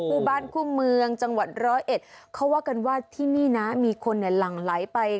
คู่บ้านคู่เมืองจังหวัดร้อยเอ็ดเขาว่ากันว่าที่นี่นะมีคนเนี่ยหลั่งไหลไป